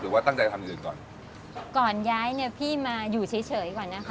ว่าตั้งใจทำอย่างอื่นก่อนก่อนย้ายเนี่ยพี่มาอยู่เฉยเฉยก่อนนะคะ